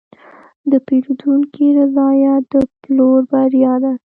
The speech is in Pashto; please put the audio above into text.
د پیرودونکي رضایت د پلور بریا ده.